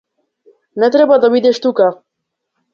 Не треба да бидеш тука.